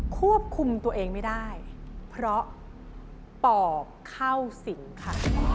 ควบคุมตัวเองไม่ได้เพราะปอบเข้าสิงค่ะ